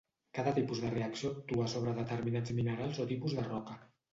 Cada tipus de reacció actua sobre determinats minerals o tipus de roca.